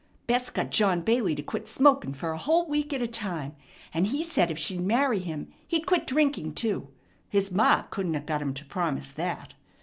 Bess got John Bailey to quit smoking fer a whole week at a time, and he said if she'd marry him he'd quit drinking too. His ma couldn't 'a' got him to promise that.